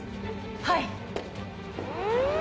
はい！